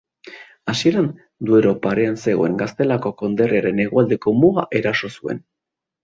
Hasieran, Duero parean zegoen Gaztelako konderriaren hegoaldeko muga eraso zuen.